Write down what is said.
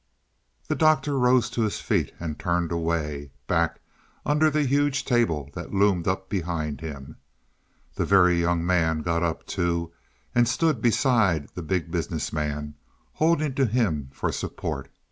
The Doctor rose to his feet and turned away, back under the huge table that loomed up behind him. The Very Young Man got up, too, and stood beside the Big Business Man, holding to him for support.